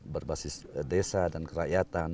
berbasis desa dan kerakyatan